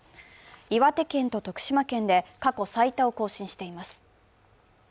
岩手県と徳島県で過去最多を更新しています。